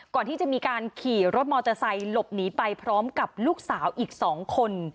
ก่อนที่จะมีการขี่รถมอเตอร์ไซค์หลบหนีไปพร้อมกับลูกสาวอีก๒คน